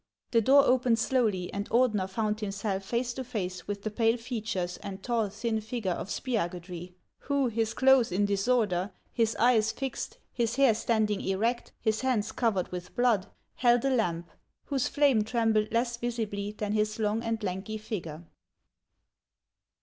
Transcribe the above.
" The door opened slowly, and Ordener found himself face to face with the pale features and tall, thin figure of Spiagudry, who, his clothes in disorder, his eyes fixed, his hair standing erect, his hands covered with blood, held a lamp, whose flame trembled less visibly than his long and lanky figure.